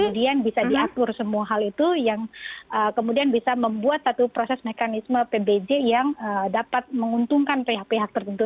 kemudian bisa diatur semua hal itu yang kemudian bisa membuat satu proses mekanisme pbj yang dapat menguntungkan pihak pihak tertentu